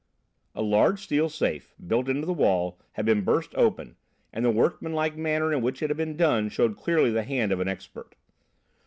A large steel safe, built into the wall, had been burst open, and the workman like manner in which it had been done showed clearly the hand of an expert.